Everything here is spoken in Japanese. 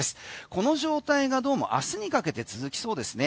この状態がどうも明日にかけて続きそうですね。